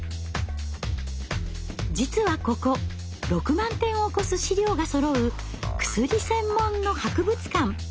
実はここ６万点を超す資料がそろう薬専門の博物館。